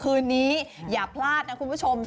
คืนนี้อย่าพลาดนะคุณผู้ชม